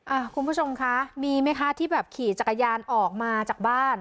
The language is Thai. คุณผู้ชมคะมีไหมคะที่แบบขี่จักรยานออกมาจากบ้าน